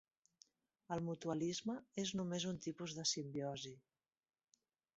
El mutualisme és només un tipus de simbiosi.